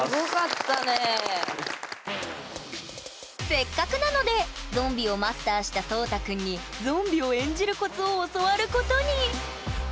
せっかくなのでゾンビをマスターした颯太くんにゾンビを演じるコツを教わることに！